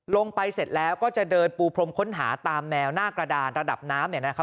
ลงไปเสร็จแล้วก็จะเดินปูพรมค้นหาตามแนวหน้ากระดานระดับน้ำเนี่ยนะครับ